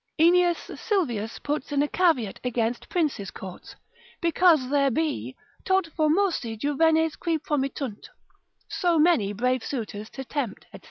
Aeneas Sylvius puts in a caveat against princes' courts, because there be tot formosi juvenes qui promittunt, so many brave suitors to tempt, &c.